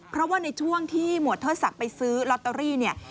เพราะว่าในช่วงที่หมวดเทิดศักดิ์ไปซื้อลอตเตอรี่เนี่ย